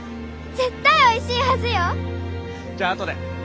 絶対おいしいはずよ！じゃあ後で。